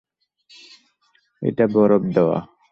এটা বরফ দেওয়া।